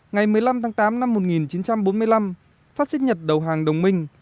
ngày một mươi năm tháng tám năm một nghìn chín trăm bốn mươi năm phát sinh nhật đầu hàng đồng minh